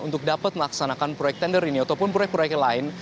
untuk dapat melaksanakan proyek tender ini ataupun proyek proyek lain